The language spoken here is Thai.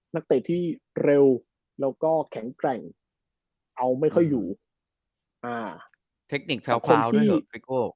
นักเตะที่เร็วแล้วก็แข็งแกร่งเอาไม่ค่อยอยู่อ่าเทคนิคแถวที่ไอโก้